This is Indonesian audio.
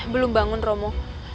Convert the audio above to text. belum bangun romo